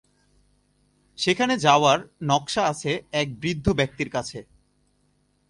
সেখানে যাওয়ার নকশা আছে এক বৃদ্ধ ব্যক্তির কাছে।